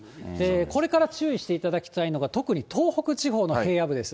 これから注意していただきたいのが、特に東北地方の平野部です。